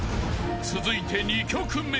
［続いて２曲目］